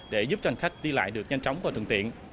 để giúp cho hành khách đi lại được nhanh chóng và thường tiện